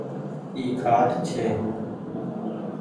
اي کآٽ ڇي